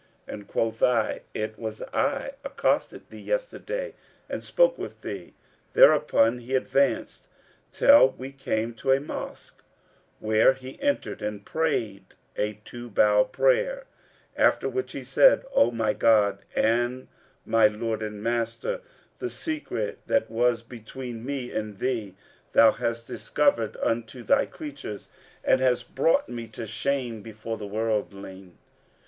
and quoth I, 'It was I accosted thee yesterday and spoke with thee.' Thereupon he advanced till we came to a mosque, where he entered and prayed a two bow prayer; after which he said, 'O my God and my Lord and Master, the secret that was between me and Thee Thou hast discovered unto Thy creatures and hast brought me to shame before the worldling.